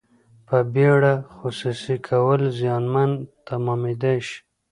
په بیړه خصوصي کول زیانمن تمامیدای شي.